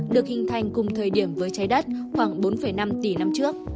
được hình thành cùng thời điểm với trái đất khoảng bốn năm tỷ năm trước